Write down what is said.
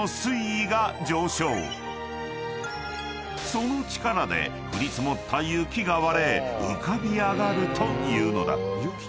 ［その力で降り積もった雪が割れ浮かび上がるというのだ］